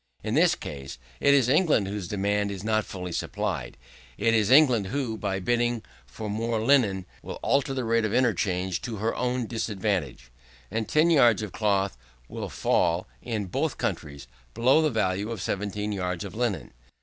In this case, it is England whose demand is not fully supplied; it is England who, by bidding for more linen, will alter the rate of interchange to her own disadvantage; and 10 yards of cloth will fall, in both countries, below the value of 17 yards of linen.